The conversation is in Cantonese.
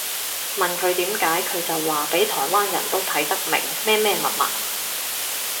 問佢點解佢就話畀台灣人都睇得明乜乜物物